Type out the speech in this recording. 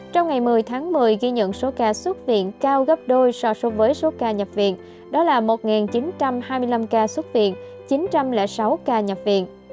trong ngày một mươi tháng một mươi ghi nhận số ca xuất viện cao gấp đôi so với số ca nhập viện đó là một chín trăm hai mươi năm ca xuất viện chín trăm linh sáu ca nhập viện